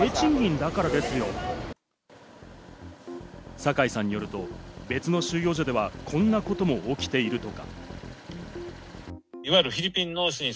酒井さんによると、別の収容所ではこんなことも起きているとか。